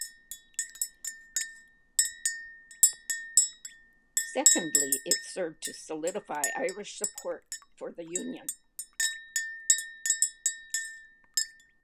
Secondly, it served to solidify Irish support for the Union.